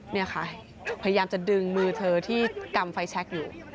นี่ค่ะพยายามจะดึงมือเธอที่กำไฟแชคอยู่